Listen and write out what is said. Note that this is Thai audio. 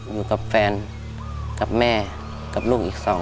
อยู่กับแฟนกับแม่กับลูกอีกสอง